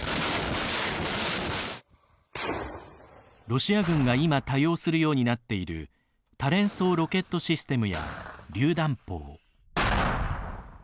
ロシア軍が今、多用するようになっている多連装ロケットシステムや榴弾砲。